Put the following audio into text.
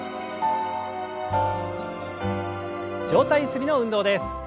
上体ゆすりの運動です。